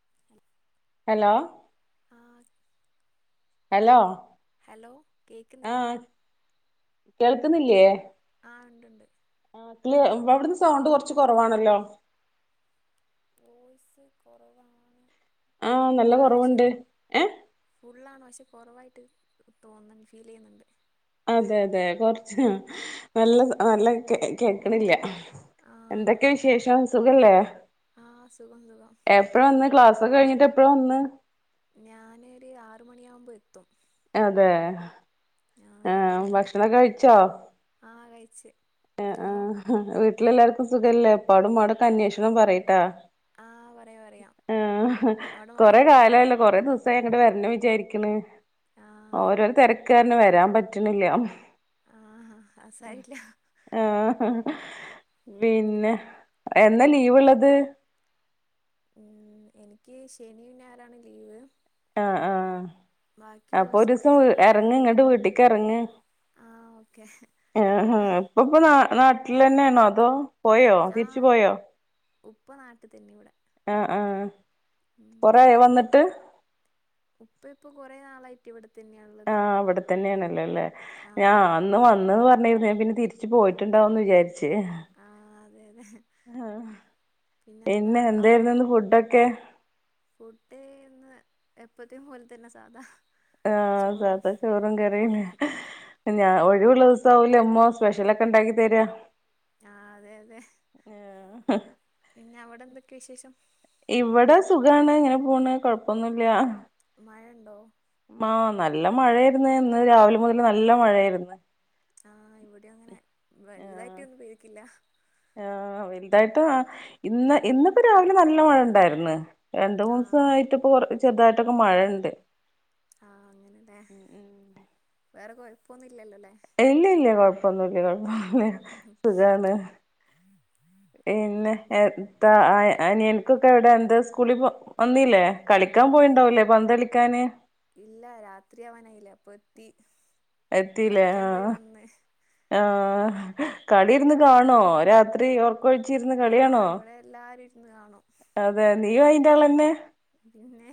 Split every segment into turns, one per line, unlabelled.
അ [unintelligible]
hello hello
hello കേൾക്കുന്നില്ല
ക്കുന്നില്ലേ
ആ ഉണ്ട് ഉണ്ട്
ആ ക്ലിയ അവിടുന്ന് സൗണ്ട് കുറച്ച് കുറവാണല്ലോ
വോയിസ്‌ കുറവാണു
ആഹ് നല്ല
ഫുള്ളാണ് പക്ഷെ
കുറവുണ്ട് ഏഹ്
ഫുള്ളാണ് പക്ഷെ കുറവായിട്ട് തോന്നൻ ഫീൽ ചെയ്യുന്നുണ്ട്
അതെ അതെ കൊറച്ച് നല്ല നല്ല കേക്കണില്ല
ആ
എന്തൊക്കെ വിശേഷം സുഖല്ലേ
ആ സുഖം സുഖം
എപ്പഴ ഇന്ന് ക്ലാസ് ഒക്കെ കഴിഞ്ഞിട്ട് എപ്പഴ വന്ന്
ഞാനൊരു ആറു മണിയാവുമ്പോ എത്തും
അതെ ആ ഭക്ഷണം കഴിച്ചോ
ആ കഴിച്ച്
എ
നിങ്ങളോ
ആഹാ വീട്ടിലെല്ലാവർക്കും സുഖല്ലേ ഉപ്പാടും ഉമ്മടും ഒക്കെ അന്വേഷണം പറയ്ട്ടാ
ആ പറയാം പറയാം
ആ
അവിടെ
കൊറെ
മഴയുണ്ടോ
കാലായല്ലോ കൊറേ ദിവസം എങ്ങടെ വരണ വിചാരിക്കണ
ആ
ഓരോരോ തിരക്കാരന് വരാൻ പറ്റണില്ല
ആ അത് സാരമില്ല
ആ പിന്നെ എന്നാ ലീവ് ഉള്ളത്
ഉം എനിക്ക് ശനിയും ഞായാറാണ് ലീവ്
ആ ആ
ബാക്കിയുള്ള
അപ്പൊ ഒരു ദിവസം
ദിവസമൊക്കെ
ഇറങ്ങ് ഇങ്ങട്ട വീട്ടിലക്ക് ഇറങ്ങ്
ആഹ് ഓക്കെ
ആ ഹ
എറങ്ങാം
ഇപ്പ ഇപ്പൊ ന നാട്ടിൽ തന്നെയാണോ അതോ പോയോ തിരിച്ചു
ആഹ്
പോയോ
ഉപ്പ നാട്ടിൽ തന്നെ ഇവിടെ
ആ ആ
ഉം
കൊറെയാ വന്നിട്ട്
ഉപ്പ ഇപ്പ കുറേ നാളായിട്ട് ഇവിടു
ആഹ് ഇവിടെ തന്നെയാണല്ലോല്ലേ ഞാൻ
ആഹ്
അന്ന് വന്നത് പറ ഞൻ പിന്നെ തിരിച്ച് പോയിട്ടുണ്ടാവും എന്ന് വിചാരിച്ച്
ആഹ് അതെ അതെ
ആ
പിന്നെന്താ
പിന്നെ എന്തായിരുന്നുന്ന് ഫുഡൊക്കേ
ഫുഡന്ന് എപ്പത്തേും പോലെ തന്നെ സാധാ
ആ
ചോറും
സാത ചോറും കറിയുന്ന ഞാൻ ഒഴിവള്ള സൗല്യമ്മോ സ്പെഷ്യല ഒക്കെ ഉണ്ടാക്കി തര്യ
ആഹ് അതെ അതെ
ആ ഹാ
പിന്നെ അവിടെ എന്തൊക്കെയ വിശേഷം
ഇവിടെ സുഖ എന്താണ് ഇങ്ങനെ പോണ് കുഴപ്പൊന്നുല്ല
മഴ ഉണ്ടോ
മാ നല്ല മഴ ആയിര്ന്ന ഇന്ന് രാവിലെ മുതൽ നല്ല മഴയായിര്ന്നു
ആഹ് ഇവിടെ അങ്ങനെ വലുതായിട്ട ഒന്നും പേയ്തിക്കില്ല
ആ വലുതായിട്ട് ഇന്ന് ഇന്നിപ്പോ രാവിലെ നല്ല മഴ ഉണ്ടായിര്ന്ന് രണ്ടു
ആഹ്
മൂന്നുസായിട്ട് ഇപ്പൊ കൊറ ചെറുതായിട്ടൊക്കെ മഴുണ്ട് ഉം ഉ
വേറെക്ക ഇപ്പൊന്ന
ഇല്ല ഇല്ല കൊഴപ്പം ഒന്നൂല്യ കുഴപ്പം സുഖാണ് പിന്നെ
പിൻ
എന്താ ആ അനിയന്ക്കൊക്കെ എവിടെ എന്താ സ്കൂളിൽ വന്നീല്ലേ കളിക്കാൻ പോയിണ്ടാവല്ലേ പന്തളിക്കാന്
ഇല്ല രാത്രി ആവാനായില്ലേ അപ്പൊ എത്തി
എത്തില്ലേ
കളിക്കാൻ
ആ
പോയി വന്ന്
ആ കളി ഇരുന്ന് കാണോ രാത്രി ഒർക്ക ഒഴിച്ചി ഇരുന്ന് കളിയാണോ
ഇന്ന് കാണും
അതെ നീയും അയിന്റെആളെന്നെ
പിന്നെ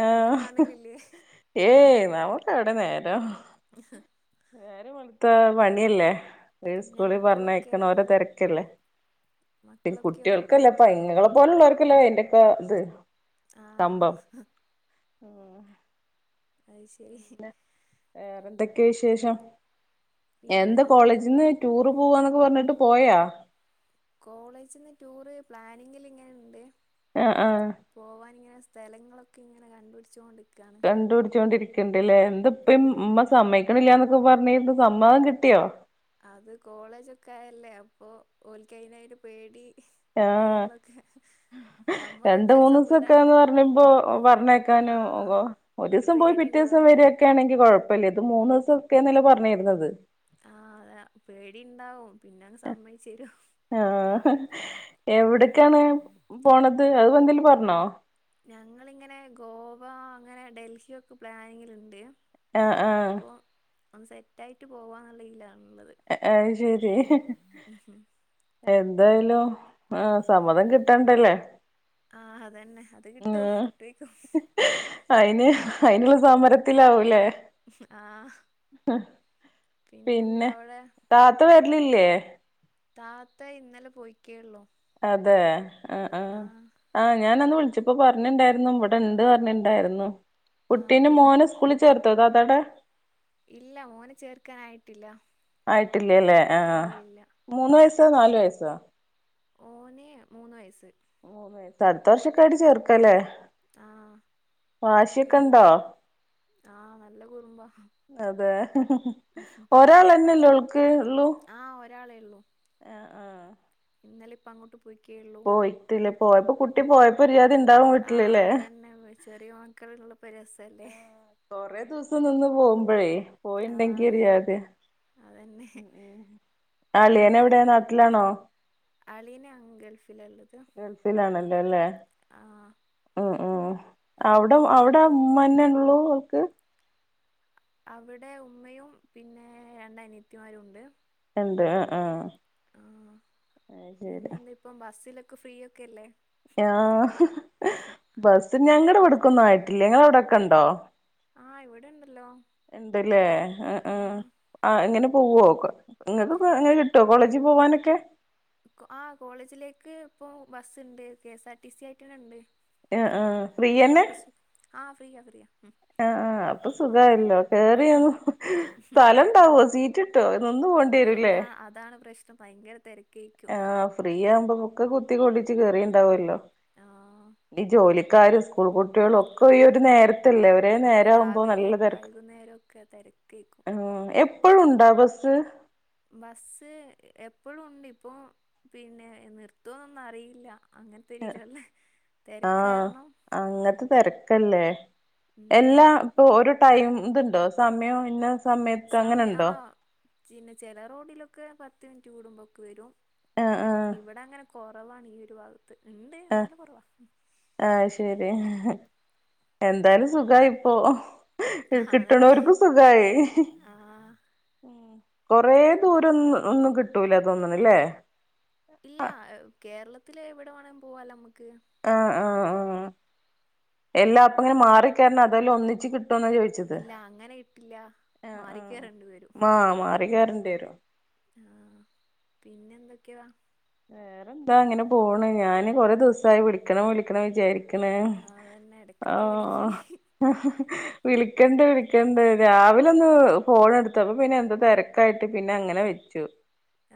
ആ
ഇങ്ങള് കാണലില്ലേ
ഏയ് നമക്ക് എവിടെ നേരം നേരം വെളുത്ത പണിയല്ലേ
പിന്നെ
സ്കൂളിൽ പറഞ്ഞക്ക്ണ
മക്കളൊക്കെയോ
ഓരോ തിരക്കല്ലേ പി
മക്കളൊക്കെയോ
കുട്ടികൾക്കല്ലേ ഇപ്പൊ ഇങ്ങളെ പോലുള്ളവർക്കല്ലോ അയിന്റെൊക്കെ ഇത്
ആ
ഓ
അയ് ശരി
വേറെ എന്തൊക്കെയാ വിശേഷം എന്താ
പിന്നെ
കോളേജിൽന്ന് ടൂറ് പോവാന്നൊക്കെ പറഞ്ഞിട്ട് പോയാ
കോളേജ്ന്ന് ടൂറ് പ്ലാനിങ്ങില് ഇങ്ങനെണ്ട്
ആഹ് ആഹ്
പോവാൻ ഇങ്ങനെ സ്ഥലങ്ങളൊക്കെ ഇങ്ങനെ കണ്ടപിടിച്ചോണ്ട്
കണ്ടുപിടിച്ചോണ്ടിരിക്കണ്ടല്ലേ എന്തപ്പേം ഉമ്മ സമ്മയ് ക്കണില്ലന്നൊക്കെ പറഞ്ഞിരുന്നു സമ്മതം കിട്ടിയോ?
അത് കോളേജൊക്കെ ആയല്ലേ അപ്പൊ ഓൽക്ക് അയിന് നയിന് പേടി
ആ
കാര്യങ്ങളൊക്കെ സമ്മതം
രണ്ട് മൂന്ന്
എന്തായാലും വിടാണ്ട്
ദിവസൊക്കാന്ന് പറഞ്ഞപ്പോ പറഞ്ഞേക്കാ
ആഹ്
ഒരു ദിവസം പോയി പിറ്റേ ദിവസം വരൊക്കെ ആണെങ്ക കുഴപ്പ അപ്പേ ഇത് മൂന്ന് ദിവസൊക്കെന്നല്ലെ പറഞ്ഞിരുന്നത്
ആ പേടി ഉണ്ടാവും
ആ എവിടെക്കാണ് പോണത് അത് ഇപ്പ എന്തേലും പറഞ്ഞോ.
ഞങ്ങളിങ്ങനെ ഗോവ അങ്ങനെ ഡൽഹിയൊക്കെ പ്ലാനിങ്ങിലുണ്ട്.
ആ ആ
അപ്പൊ സെറ്റായിട്ട് പോവാന്നറിയില്ല.
അത് ശരി
ഉം
എന്തായാലും ആ സമ്മതം കിട്ടണ്ടല്ലേ.
ആ അതന്നെ. അത്
ആ
കിട്ടും കിട്ടുവായിക്കും
അയിന് അയിനുള്ള സമരത്തിലാവും അല്ലേ.
ആ പിന്നെ എന്താ അവിടെ.
ലില്ലേ.
താത്ത ഇന്നലെ പോയിക്കേയൊള്ളൂ.
അതെ ആ ആ ആ ഞാനന്ന് വിളിച്ചപ്പോ പറ ഞ്ഞിണ്ടായിരുന്നു ഇവിടെണ്ട് പറഞ്ഞിണ്ടായിരുന്നു. കുട്ടീന്റെ
ആഹ്
മോനെ സ്കൂളിൽ ചേർത്തോ താത്താടേ.
ഇല്ല മോനെ ചേർക്കാനായിട്ടില്ല.
ആയിട്ടില്ലല്ലേ ആഹ്
ഇല്ല ഇല്ല.
മൂന്ന് വയസ്സോ നാല് വയസ്സാ.
ഓനേ മൂന്ന് വയസ്സ്.
മൂന്ന് വയസ്സ് അടുത്ത വർഷക്കായിട്ട് ചേർക്കാ അല്ലേ
ആഹ്
വാശിയൊക്കെ ഇണ്ടോ?
ശരിയായിരിക്കും ആഹ് നല്ല കുറുമ്പാ
അതെ ഒരാളന്നെല്ലെ ഉൾ
ആ ഒരാളേ ഉള്ളൂ.
ആഹ്
ഇന്നലെ ഇപ്പ അങ്ങോട്ട് പോയിക്കേയുള്ളൂ
പോയിട്ടല്ലേ പോയപ്പോ കുട്ടി പോയപ്പോ ഒരു ജാതി ഇണ്ടാവും
ആ
വീട്ടിലല്ലേ
അതന്നെ ചെറിയ മക്കളുള്ളപ്പോ പ രസ അല്ലേ.
പോകുമ്പഴേ പോയിണ്ടെങ്കി ഒരു ജാതിയാ
അതന്നെ
ഉം അളിയൻ എവിടെ നാട്ടിലാണോ.
അളിയന അങ്കൾഫ്
ഗൽഫിലാണല്ലോ അല്ലേ.
ആഹ്
ഉം ഉം അവിടെ
പിന്നെന്താ
അവിടെ
ഇപ്പം
ഉമ്മ തന്നെ ഉള്ളൂ ഓൾക്ക്.
അവിടെ ഉമ്മയും പിന്നെ രണ്ട് അനിയത്തിമാരും ഉണ്ട്.
എന്ത് ആ ആ
ആഹ്
അത് ശരി.
ക്ക് ഫ്രീ ഒക്കെ അല്ലേ.
ആ ബസ് ഞങ്ങളുടെ ഇവിടക്കൊന്നും ആയിട്ടില്ല. നിങ്ങടെ അവിടൊക്കെ ഉണ്ടോ?
ആഹ് ഇവിടെണ്ടല്ലോ
ഇണ്ടല്ലേ ആ ആ
ആഹ് ആഹ്
ആ എങ്ങനെ പോവോ ക ഇങ്ങക്ക് ഇങ്ങനെ കിട്ടോ കോളേജിൽ പോവാനൊക്കെ.
ആ കോളേജിലേക്ക് ഇപ്പൊ ബസുണ്ട് കെഎസ് ആർ ടി സി ആയിട്ടണ്ട്.
ആ ആ ഫ്രീയന്നെ.
ഫ്രിയ ഫ്രിയ.
ആ അപ്പൊ സുഖയല്ലോ കേറി
ആഹ്
സ്ഥലം ഇണ്ടാവോ സീറ്റ് ഇട്ടോ?
ഇല്ല അതാണ് പ്രശ്നം ഭയങ്കര തെർ
ആ ഫ്രീ ആവുമ്പോ ഒക്കെ കുത്തി കോളിച്ച് കേറിണ്ടാവല്ലോ
ആഹ്
ഈ ജോലി. കാര് സ്കൂൾ. കുട്ടികളും ഒക്കെ ഈ ഒരു
അതന്നെ
നേരത്തല്ലേ ഒരേ
ആഹ്
നേരആവുമ്പോ
രാവിലെയും
നല്ലതെരക്ക്‌.
വൈകുന്നേരവും ഒക്കെ തിരക്കേക്കും
എപ്പഴും ഉണ്ടോ ബസ്?
ബസ്സ് എപ്പോഴും ഉണ്ട് ഇപ്പൊ പിന്നെ നിർത്തോന്നൊന്നും അറിയില്ല. അങ്ങനത്തെരിലല്ലേ തിരക്ക്
ആഹ്
കാരണം.
അങ്ങത്തെ തിരക്കല്ലേ
ഉം
എല്ലാ ഇപ്പൊ ഒരു ടൈം ഇതുണ്ടോ സമയം പിന്നെ.
സമയം ആ പിന്നെ ചില റോഡിലൊക്കെ പത്ത് മിനിറ്റ് കൂടുമ്പോക്കെ വരും.
ആഹ് ആഹ്
ഇവിടെ അങ്ങനെ കുറവാണ് ഈ ഒരു ഭാഗം.
ആ ആ ശരി. എന്തായാലും സുഖായി ഇപ്പോ.
ആഹ് അതന്നെ
കിട്ടണോർക്ക് സുഖായി
ആഹ്
ഉം. കൊറേ ദൂരം ഒ ഒന്നും കിട്ടൂല തോന്ന് ണല്ലേ?
ഇല്ല കേരളത്തില് എവിടെ വേണേലും പോവാല്ലോ നമുക്ക്.
ആഹ് ആഹ് ആ എല്ലാ അപ്പ ഇങ്ങനെ മാറിക്കേരണം അതായല്ലാം ഒന്നിച്ച് കിട്ട
ഇല്ല അങ്ങനെ ഇട്ടില്ല മാറിക്കേറണ്ടി വ രും.
ആയിൽ കേറേണ്ടെരും.
ആ പിന്നെ എന്തൊക്കെയ
വേറെന്താ അങ്ങനെ പോണ് ഞാന് കൊറെേ ദിവസം ആയി വിളിക്കണം വിളിക്കണം വിചാരിക്ക് ണ്
ആഹ് അതന്നെ
ആ
ഇടക്കൊക്കെ വിളിക്ക്
ഹ ഹ വിള വിളിക്കണ്ട് വിളിക്കണ്ട് രാവിലെ ഒന്ന് ഫോൺ എടുത്തപ്പ പിന്നെ എന്താ തെ രക്കായിട്ട് പിന്നെ അങ്ങനെ വെച്ചു.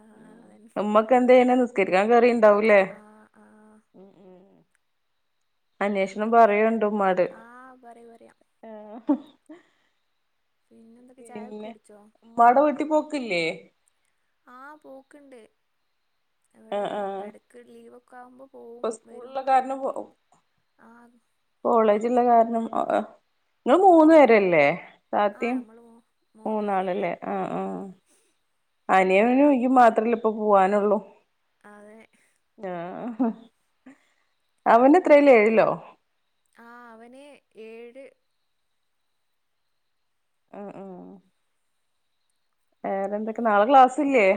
ആഹ് അതന്നെ
ഓ ഉമ്മക്ക് എന്ത നിസ്കരിക്കാൻ കേറിണ്ടാവൂലേ
ആഹ് ആഹ്
ഉം ഉം. അന്വേഷണം
പിന്നെ
പറയുണ്ട് ഉമ്മാട്.
ആഹ് പറയാ പറയാ പിന്നെ എന്തൊക്കെ ചായക്കെ
പിന്നെ
കുടിച്ചോ
ഉമ്മടെ വീട്ടിൽ പോക്കില്ലേ?
ആ പോക്ക്ണ്ട് അവിടെ
ആഹ് ആഹ്
ഇടക്ക് ലീവൊക്കെ ആകുമ്പോ
ഇപ്പൊ സ്കൂൾ ഉള്ള കാരണം പോ
ആ
കോളേജുള്ള കാരണം ഒഹ് ഒഹ്. നിങ്ങള്
പോ
മൂന്ന് പേരല്ലേ
ആ
താത്തിം
നമ്മള് മൂ മൂന്ന് പേരന്നെ
മൂന്നാളല്ലേ ആ ആ. അനിയനും ഇയും മാത്രല്ല ഇപ്പ പോവാനുള്ളൂ
അതെ
ആഹ. ഉം ഹ അവന് എത്രയിലാഏഴിലോ?
ആ അവന് ഏഴ്.
ആ ആ വേറെ എന്തൊക്കെ നാളെ ക്ലാസ്ല്ഇല്ലേ?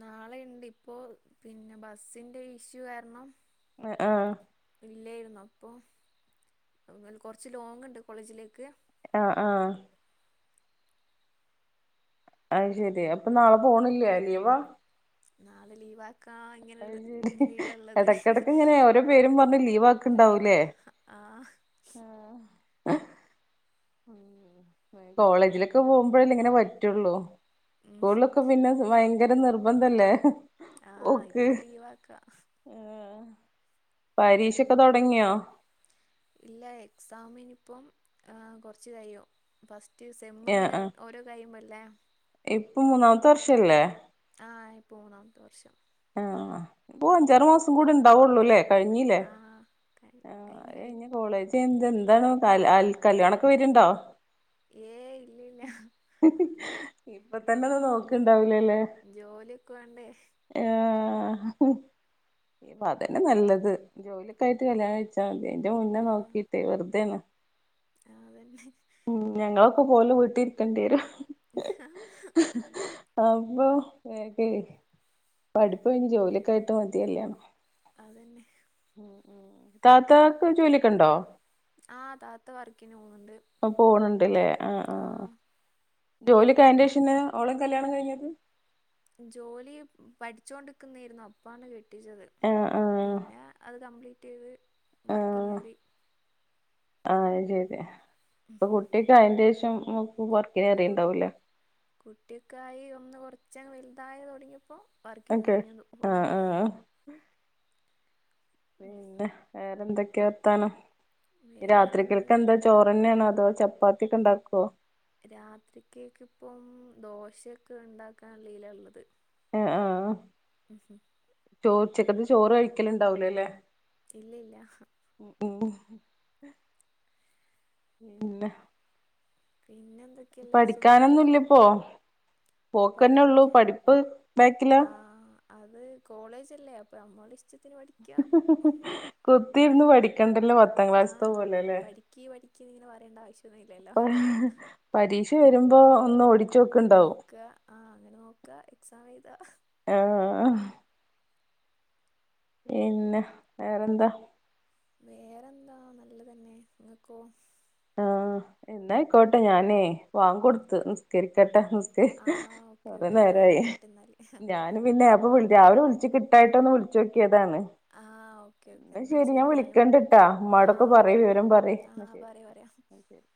നാളെ ഇണ്ട് ഇപ്പോ പിന്നെ ബസിന്റെ ഇഷ്യൂ കാരണം.
ആ
ഇല്ലായിരുന്നു അപ്പോകുറച്ച് ലോങ് ഉണ്ട് കോളേജിലേക്ക്.
ആ ആ അയ്ശെരി അപ്പൊ നാളെ പോണില്ലെ ലീവാ.
നാളെ ലീവാ
അയ്ശരി ഇടക്കടക്ക് ഇങ്ങനെ ഓരോ പേരും പറഞ്ഞു ലീവ്
ലീവാ
ആക്ക്ണ്ടാവൂലേ?
ആ
ആ ഉം കോളേജിലൊക്കെ പോകുമ്പോഴേല്ല ഇങ്ങനെ പറ്റുള്ളൂ?
ഉം
സ്കൂളിലൊക്കെ പിന്നെ ഭയങ്കര നിർബന്ധല്ലേ.
ആഹ്
പോക്ക്
ഇപ്പൊ ലീവാ ആക്ക.
പരീക്ഷൊക്കെ
കൊഴപ്പൊന്നുമില്ല
തൊടങ്ങിയോ
ഇല്ല എക്സാമ് ഇനി. ഇപ്പം കൊറച്ച്കയും ഫസ്റ്റ് സെമ്മ് ഇങ്ങനെ ഓരോ കയുമ്പല്ലേ?
ഇപ്പം മൂന്നാമത്തെ വർഷല്ലേ
ആ ഇപോ മൂന്നാമത്തെ വർഷം
ആഹ് അപ്പൊ അഞ്ചാറ് മാസം കൂടി ഉണ്ടാവുള്ളൂ അല്ലേ കഴിഞ്ഞില്ലേ
ആ കഴി കഴിഞ്ഞ്
ആഹ്
കഴിഞ്ഞ്
ഇനി കോളേജ് എന്ത എന്താണ് കല്ല്യാണൊക്കെ വരുണ്ടോ
ഏ ഇല്ല ഇല്ല
ഇപ്പ തന്നെ ഒന്ന് നോക്കണ്ടാവില്ല
ജോലി ഒക്കെ വേണ്ടേ
ആ ഇപ്പ അതന്നെ നല്ലത് ജോലിയൊക്കെ ആയിട്ട് കല്യാണം കഴിച്ചാൽ മതി എന്റെ മുന്നേ
ആ
നോക്കിട്ടെ വെറുതേനേ
അതന്നെ [inaudible]
ഞങ്ങളൊക്കെ പോലും വീട്ടി ഇരിക്കേണ്ടി വരും
[unintelligible]
അപ്പൊ പഠിപ്പ് കഴിഞ്ഞ് ജോലിയൊക്കെ ആയിട്ട് മതി കല്യാണം
അതന്നെ
ഉം ഉം താത്താക്ക് ജോലിയൊക്കെ ഉണ്ടോ
ആഹ് താത്ത വർക്കിന് പോവും
പോണണ്ട്ല്ലേ ആ ആ ജോലിക അയിന്റെ ശേഷന്നെ ഓളയും കല്ല്യാണം കഴിഞ്ഞത്
ജോലി പഠിച്ചോണ്ടിരിക്കുന്നായിരുന്നു അപ്പാണ് കേ [unintelligible]
ആഹ് ആഹ്
പിന്നെ അത് കംപ്ലീറ്റ് ചെയ്ത് വർക്കിന് കേറി
ആഹ ശരി ഇപ്പൊ കുട്ടിക്ക് അന്റെശം
കു കുട്ടിയക്കായി ഒന്ന് കൊറച്ച വലുതായ തുടങ്ങിയപ്പോ വർക്കിന്
ഓക്കെ
പിന്നെയും
ആഹ്
പോന്നുണ്ട്
ആഹ് പിന്നെ വേറെ എന്തൊക്കെയാ വർത്താനം ഇനി
വേറെന്ത്
രാത്രീത്തേക്ക് എന്താ ചോറ്ന്നെയണോ അതോ ചപ്പാത്തി ഒക്കെ ഉണ്ടാക്കോ
രാത്രിക്കക്ക ഇപ്പം ദോശയൊക്കെ ഉണ്ടാകാനുള്ള ഇതിലാണ് ഉള്ളത്
ആഹ് ആഹ്
ഉ [inaudible]
ചോ ഉചക്കത്ത് ചോറ് കഴിക്കല ഇണ്ടാവലോ അല്ലേ
ഇല്ല ഇല്ല ആഹ്ഹ്
ഉ പിന്നെ
പിന്നെ എന്തൊക്കെയല്ലേ സുഖല്ലേ
പഠിക്കാനൊന്നും ഇല്ലപ്പോ
പഠിക്ക
ബാക്കില
ആ അത് കോളേജ്ല്ലേ അപ്പൊ അമ്മോടെ ഇഷ്ട
[unintelligible] കുത്തി ഇരുന്ന്
വേണ്ട
പഠിക്കണ്ടല്ലോ പത്താം
ആ
ക്ലാസ്ത്ത പോലല്ലേ [unintelligible]
പഠിക്ക് പഠിക്കന്ന് ഇങ്ങനെ പറയേണ്ട ആവശ്യമൊന്നും ഇല്ലല്ലോ
അപ്പ പരീക്ഷ വരുമ്പോ ഒന്ന് ഓടി
നോക്ക ആ അങ്ങനെ നോക്ക എക്സാം എയ്ത
ആ പിന്നെ വേറെന്താ
വേറെന്താ നല്ലതന്നെ നിങ്ങക്കോ
ആഹ എന്നായിക്കോട്ടെ ഞാനേ വാങ്ക് കൊടുത്ത് നിസ്കരിക്കട്ടെ
ആഹ് ഓക്കെ
കുറേ
ഓക്കെ ഞാനും
നേരമായി
പോട്ടെ എന്നാല്
ഞാനും പിന്നെപ്പ വിളി രാവിലെ വിളിച്ചപ്പ കിട്ടാഞ്ഞിട്ട് ഒന്ന് വിളിച്ചു നോക്കിയതാണ്
ആഹ് ഓക്കെ ഓക്കെ
എന്ന
എന്നാ
ശരി ഞാൻ
ഞാനും
വിളിക്കണ്ടിട്ടാ ഉമ്മ ടൊക്കെ
ആഹ്
പറ
ഓക്കെ
വിവരം പറ എന്നാ
ആഹ്
ശരി
പറയാ പറയാ
ശരി